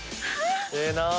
ええなぁ！